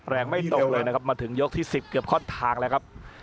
ไม่ตรงเลยนะครับมาถึงยกที่๑๐เกือบข้อนทางแล้วครับ